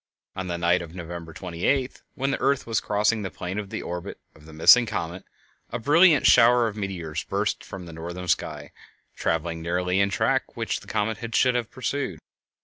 On the night of November 28th, when the earth was crossing the plane of the orbit of the missing comet, a brilliant shower of meteors burst from the northern sky, traveling nearly in the track which the comet should have pursued.